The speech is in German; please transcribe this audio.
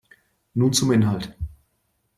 Nun zum Inhalt.